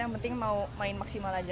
yang penting mau main maksimal aja